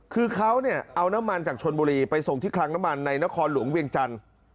คือเขาเนี่ยเอาน้ำมันจากชนบุรีไปส่งที่คลังน้ำมันในนครหลวงเวียงจันทร์